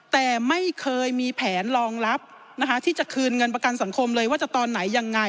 แต่ไม่เคยมีแผนรองรับนะคะที่จะคืนเงินประกันสังคมเลยว่าจะตอนไหนยังไง